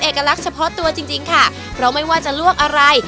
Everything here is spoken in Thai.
เอกลักษณ์เฉพาะตัวจริงค่ะเพราะไม่ว่าจะลวกอะไร